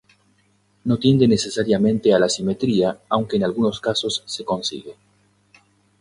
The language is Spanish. No tiende necesariamente a la simetría, aunque en algunos casos se consigue.